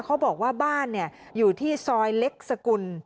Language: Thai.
เขาบอกว่าบ้านอยู่ที่ซอยเล็กสกุล